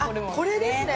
これですね。